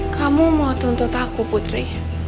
kamu mau tuntut aku putri